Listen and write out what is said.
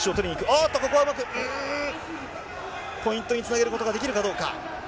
おっと、ここは、ポイントにつなげることができるかどうか。